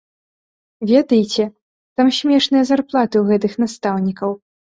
Ведаеце, там смешныя зарплаты ў гэтых настаўнікаў.